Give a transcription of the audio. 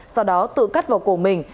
sau đó tự cắt vào cổ mình